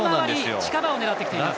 近場を狙ってきています。